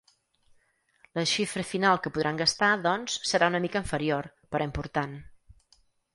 La xifra final que podran gastar, doncs, serà una mica inferior, però important.